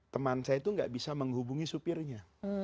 teman saya itu nggak bisa menghubungi supirnya